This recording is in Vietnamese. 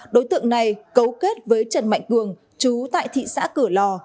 đối tượng này cấu kết với trần mạnh cường chú tại thị xã cửa lò